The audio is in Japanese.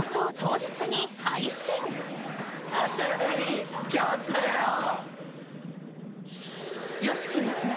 明日のために今日つながろう。